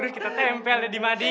kita tempel di mading